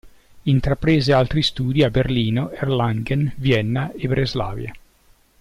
Intraprese altri studi a Berlino, Erlangen, Vienna e Breslavia.